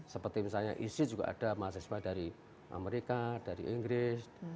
seperti misalnya isis juga ada mahasiswa dari amerika dari inggris